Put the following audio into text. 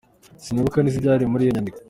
Sinibuka neza ibyari muri iyo nyandiko.